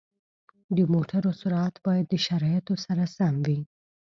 د موټرو سرعت باید د شرایطو سره سم وي.